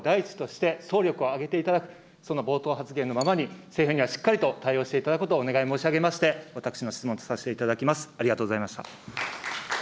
いずれにしましても国民の皆様の命と健康を守ることを第一として、総力を挙げていただくと、その冒頭発言の下に政府にはしっかりと対応していただくことをお願い申し上げまして、私の質問とさせていただきます。